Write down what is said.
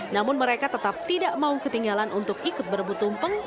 namun mereka tetap tidak mau ketinggalan untuk ikut berebut tumpeng